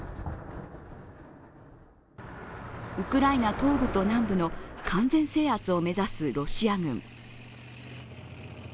ウクライナ東部と南部の完全制圧を目指すロシア軍。